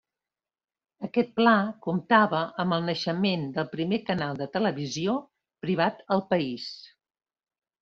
Aquest Pla comptava amb el naixement del primer canal de televisió privat al país.